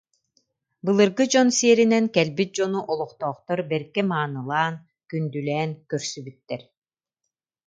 Былыргы дьон сиэринэн кэлбит дьону олохтоохтор бэркэ маанылаан, күндүлээн көрсүбүттэр